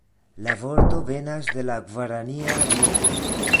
La vorto venas de la gvarania lingvo.